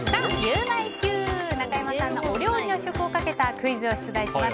中山さんのお料理の試食をかけたクイズを出題します。